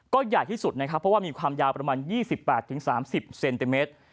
ก็ใหญ่ที่สุดนะครับเพราะว่ามีความยาวประมาณ๒๘๓๐เซนติเมตร